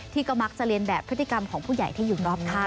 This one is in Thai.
ก็มักจะเรียนแบบพฤติกรรมของผู้ใหญ่ที่อยู่รอบข้าง